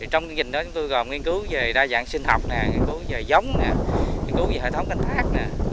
trong kinh nghiệm đó chúng tôi gồm nghiên cứu về đa dạng sinh học nghiên cứu về giống nghiên cứu về hệ thống canh thác